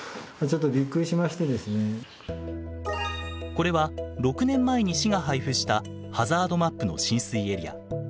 これは６年前に市が配布したハザードマップの浸水エリア。